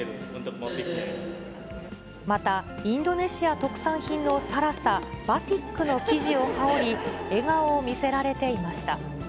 またインドネシア特産品の更紗、バティックの生地を羽織り、笑顔を見せられていました。